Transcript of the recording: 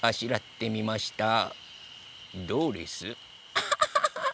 アハハハ！